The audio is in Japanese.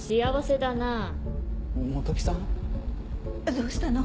どうしたの？